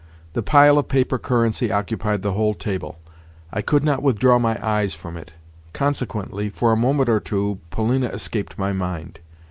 The pile of paper currency occupied the whole table. I could not withdraw my eyes from it. Consequently, for a moment or two Polina escaped my mind.